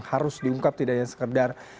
harus diungkap tidak sekedar